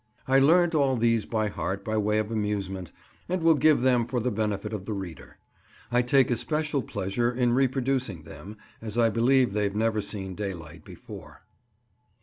I learnt all these by heart by way of amusement, and will give them for the benefit of the reader. I take especial pleasure in reproducing them, as I believe they've never seen daylight before.